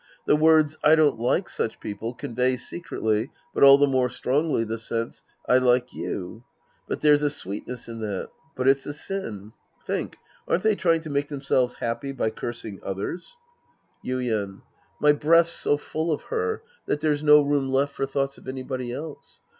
The words " I don't like such people," convey secretly, but all the more strongly, the sense, " I like you." For there's a sweetness in that. But, it's a sin. Tliink ; aren't they trying to make themselves happy by cursing others ? 210 The Priest and His Disciples Act V Ymeft. My breast's so full of her that there's no room left for thoughts of anybody else.